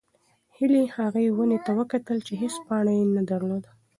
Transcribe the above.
هیلې هغې ونې ته وکتل چې هېڅ پاڼه یې نه درلوده.